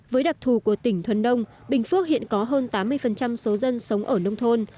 với đặc thù của tỉnh thuần đông bình phước hiện có hơn tám mươi số dân sống ở nông thôn